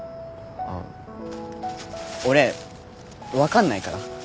俺分かんないから。